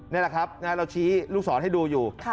นี่แหละครับเราชี้ลูกศรให้ดูอยู่